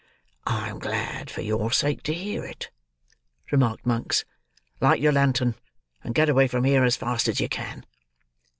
"I am glad, for your sake, to hear it," remarked Monks. "Light your lantern! And get away from here as fast as you can."